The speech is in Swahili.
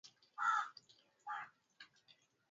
Longitudi elfu tatu mia moja kumi na nane Mashariki